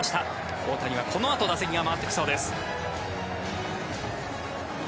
大谷はこのあと打席が回ってきそうです。